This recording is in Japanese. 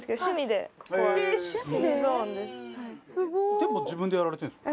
手も自分でやられてるんですか？